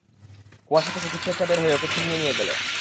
কুয়াশা থেকে কিছু একটা বের হয়ে ওকে ছিনিয়ে নিয়ে গেল।